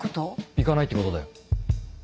行かないってことだよ。